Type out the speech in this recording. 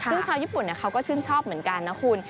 ซึ่งชาวญี่ปุ่นเขาก็ชื่นชอบเหมือนกันนะคุณ